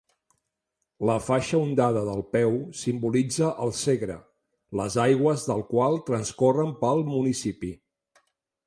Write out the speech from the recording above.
La faixa ondada del peu simbolitza el Segre, les aigües del qual transcorren pel municipi.